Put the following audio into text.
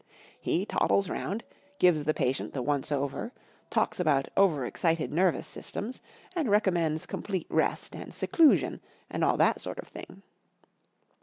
He toddles round, gives the patient the once over, talks about * over¬ excited nervous systems, and recommends complete rest and seclusion and all that sort of tiling.